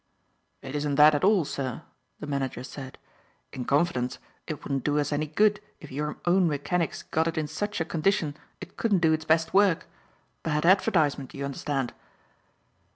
"It isn't that at all, sir," the manager said. "In confidence it wouldn't do us any good if your own mechanics got it in such a condition it couldn't do its best work. Bad advertisement you understand."